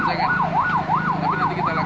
ini tidak ada barang milik korban yang hilang